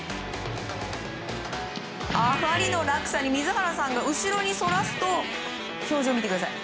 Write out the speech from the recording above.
あまりの落差に水原さんが後ろにそらすと表情を見てください。